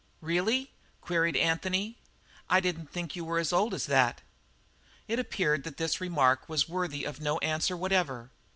"Really?" queried Anthony. "I didn't think you were as old as that!" It appeared that this remark was worthy of no answer whatever.